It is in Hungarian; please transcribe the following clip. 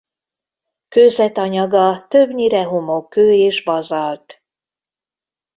Kőzetanyaga többnyire homokkő és bazalt.